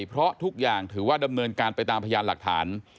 เพราะทุกอย่างถือว่าดำเนินการไปตามพยานหลักฐาน